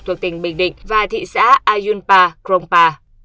thuộc tỉnh bình định và thị xã ayunpa krongpa